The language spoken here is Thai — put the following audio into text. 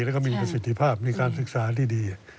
แล้วก็มีประสิทธิภาพในการศึกษาที่ดี